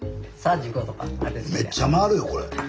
めっちゃ回るよこれ。